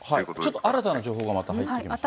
ちょっと新たな情報がまた入ってきました。